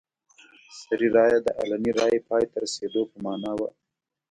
سري رایه د علني رایې پای ته رسېدو په معنا وه.